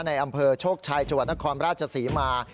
ในอำเภอโชคชัยจังหวัดนครราชศรีมา